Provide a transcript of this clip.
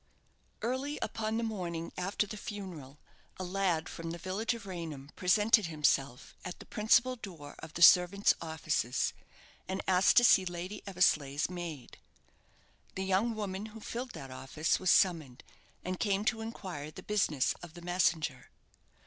Early upon the morning after the funeral, a lad from the village of Raynham presented himself at the principal door of the servants' offices, and asked to see Lady Eversleigh's maid. The young woman who filled that office was summoned, and came to inquire the business of the messenger.